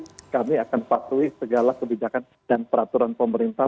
sebagai asosiasi kami akan mematuhi segala kebijakan dan peraturan pemerintah